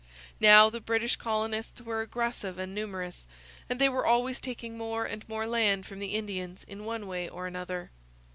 Now, the British colonists were aggressive and numerous; and they were always taking more and more land from the Indians, in one way or another.